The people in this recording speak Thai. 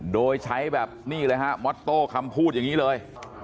โดยใช้แบบนี้เลยฮะมอโต้คำพูดอย่างนี้เลย